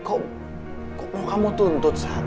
kok mau kamu tuntut